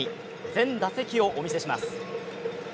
全打席をお見せします。